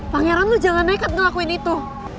pangeran lo jangan nekat ngelakuin itu